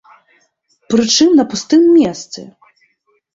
Прычым на пустым месцы.